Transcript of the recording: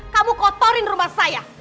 kamu kotorin rumah saya